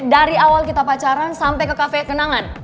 dari awal kita pacaran sampai ke kafe kenangan